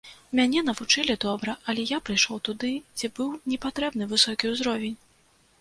Мяне навучылі добра, але я прыйшоў туды, дзе быў не патрэбны высокі ўзровень.